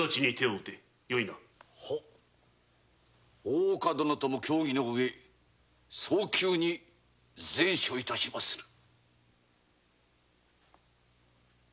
大岡殿とも協議の上早急に善処致しまする。